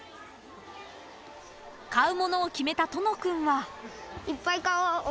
［買うものを決めたとの君は］